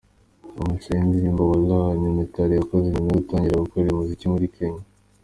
Amashusho y’indirimbo "Wallah" Nyamitari yakoze nyuma yo gutangira gukorera umuziki muri Kenya.